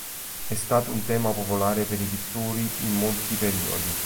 È stato un tema popolare per i pittori in molti periodi.